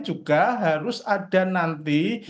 juga harus ada nanti